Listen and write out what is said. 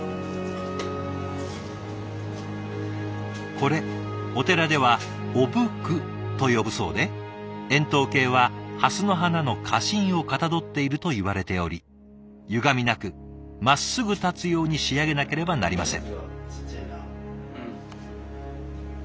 これお寺では「御仏供」と呼ぶそうで円筒形は蓮の花の花芯をかたどっているといわれておりゆがみなくまっすぐ立つように仕上げなければなりません。